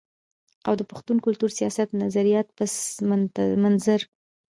او د پښتون کلتور، سياست، نظرياتي پس منظر